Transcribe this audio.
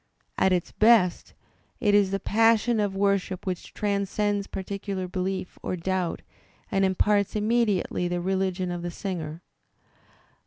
At its best it is the ' passion of worship which transcends particular belief or doubt and imparts inunediately the religion of the singer.